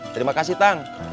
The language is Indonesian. terima kasih tang